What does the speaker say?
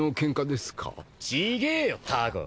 違えよタコ！